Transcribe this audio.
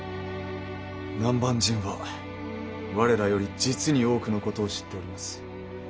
南蛮人は我らより実に多くのことを知っております。